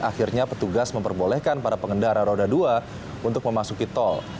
akhirnya petugas memperbolehkan para pengendara roda dua untuk memasuki tol